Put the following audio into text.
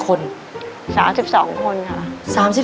๓๒คนค่ะ